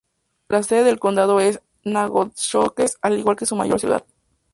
La sede del condado es Nacogdoches, al igual que su mayor ciudad.